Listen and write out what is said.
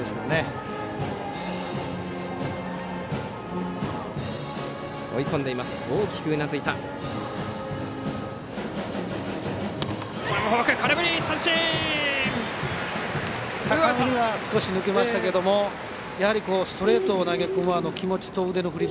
高めには少し抜けましたがやはりストレートを投げ込む気持ちと腕の振り。